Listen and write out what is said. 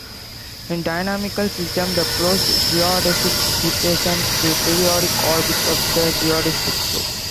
In dynamical systems, the closed geodesics represent the periodic orbits of the geodesic flow.